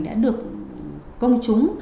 đã được công chúng